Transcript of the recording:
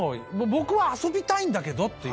僕は遊びたいんだけどっていう。